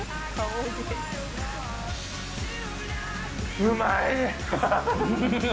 うまいー。